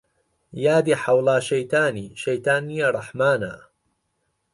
یادی حەوڵا شەیتانی شەیتان نیە ڕەحمانە